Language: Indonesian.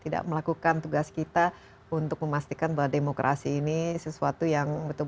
tidak melakukan tugas kita untuk memastikan bahwa demokrasi ini sesuai dengan kepentingan